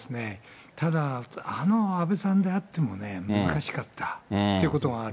ただ、あの安倍さんであっても、難しかったということがある。